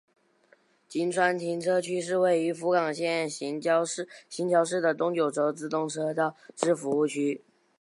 今川停车区是位于福冈县行桥市的东九州自动车道之服务区。